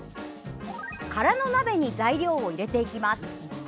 空の鍋に材料を入れていきます。